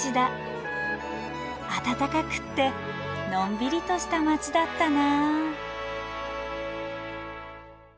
あたたかくってのんびりとした街だったな。